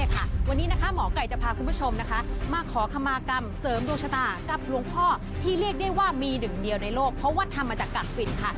สวัสดีคุณผู้ชมนะคะมาขอคำมากรรมเสริมโรชธากับหลวงพ่อที่เรียกได้ว่ามีหนึ่งเดียวในโลกเพราะว่าทำมาจากกลักฝิ่นค่ะ